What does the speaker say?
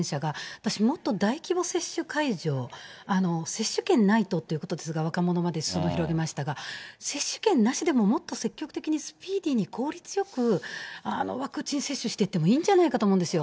私もっと、大規模接種会場、接種券がないとということですが、若者まですそ野広げましたが、接種券なくても、もっと積極的にスピーディーにワクチン接種していってもいいんじゃないかと思うんですよ。